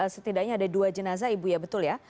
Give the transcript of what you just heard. setidaknya ada dua jenazah ibu ya betul ya